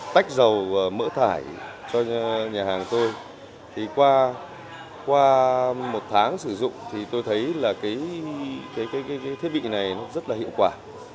tạch dầu mỡ thải cho nhà hàng tôi qua một tháng sử dụng tôi thấy thiết bị này rất hiệu quả